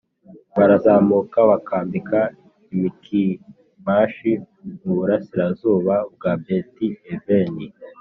barazamuka bakambika i mikimashi mu burasirazuba bwa beti aveni